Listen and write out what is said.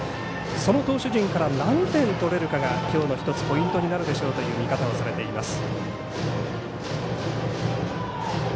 その投手陣から何点取れるかが今日のポイントになるでしょうという見方をされています。